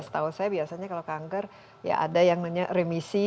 setahu saya biasanya kalau kanker ya ada yang namanya remisi